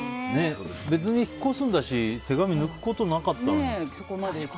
別に引っ越すんだし手紙、抜くことなかったのに。